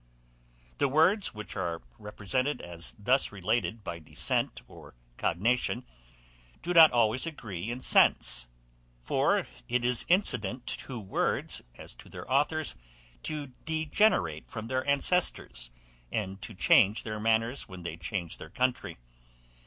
The words which are represented as thus related by descent or cognation, do not always agree in sense; for it is incident to words, as to their authours, to degenerate from their ancestors, and to change their manners when they change their country.